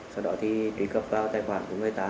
sau đó thì truy cập vào tài khoản của người ta